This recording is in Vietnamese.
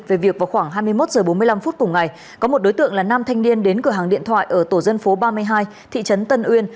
về việc vào khoảng hai mươi một h bốn mươi năm phút cùng ngày có một đối tượng là nam thanh niên đến cửa hàng điện thoại ở tổ dân phố ba mươi hai thị trấn tân uyên